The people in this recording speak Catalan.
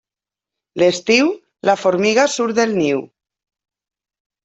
L'estiu, la formiga surt del niu.